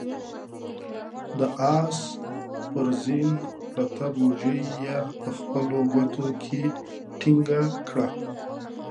د آس پر زين پرته بوجۍ يې په خپلو ګوتو کې ټينګه کړه.